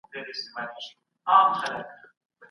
منلي دلایل څېړنه پیاوړې کوي.